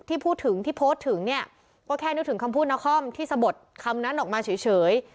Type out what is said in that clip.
ที่พูดถึงที่โพสต์ถึงเนี่ยก็แค่นึกถึงคำพูดนครที่สะบดคำนั้นออกมาเฉย